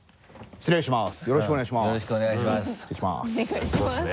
失礼します。